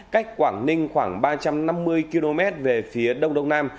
cách quảng ninh khoảng ba trăm năm mươi km về phía đông đông nam